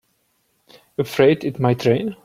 Afraid it might rain?